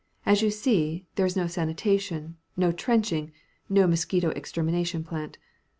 As you see, there is no sanitation, no trenching, no mosquito extermination plant.